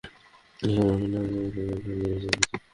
Nixon market না, যে sweater বেচতাছো।